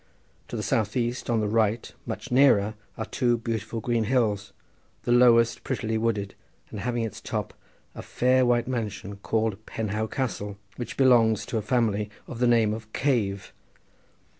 To the south east, on the right, much nearer, are two beautiful green hills, the lowest prettily wooded, and having on its top a fair white mansion called Penhow Castle, which belongs to a family of the name of Cave.